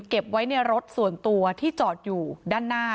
เก็บไว้ในรถส่วนตัวที่จอดอยู่ด้านหน้า